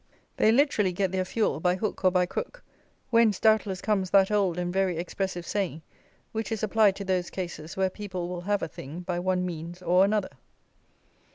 They literally get their fuel "by hook or by crook," whence, doubtless, comes that old and very expressive saying, which is applied to those cases where people will have a thing by one means or another.